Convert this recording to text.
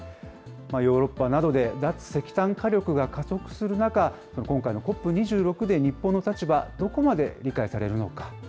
ヨーロッパなどで脱石炭火力が加速する中、今回のＣＯＰ２６で日本の立場、どこまで理解されるのか。